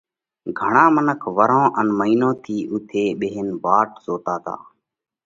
گھڻا منک ورهون ان مئِينون ٿِي اُوٿئہ ٻيهينَ واٽ زوتا تا،